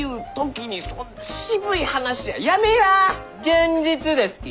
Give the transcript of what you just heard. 現実ですき！